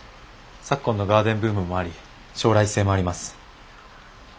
昨今のガーデンブームもあり将来性もあります。